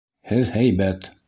Һеҙ һәйбәт...